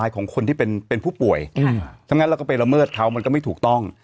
ทั้งนั้นเราก็ไปละเมิดเขามันก็ไม่ถูกต้อง